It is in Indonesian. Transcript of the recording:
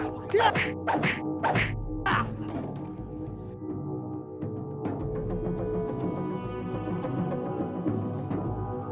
oh sebelah sana